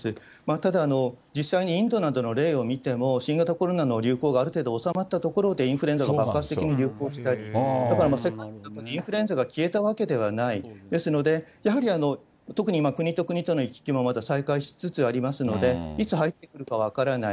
ただ、実際にインドなどの例を見ても、新型コロナの流行がある程度収まったところでインフルエンザが爆発的に流行したり、だから、インフルエンザが消えたわけではない、ですので、やはり特に国と国との行き来もまた再開しつつありますので、いつ入ってくるか分からない。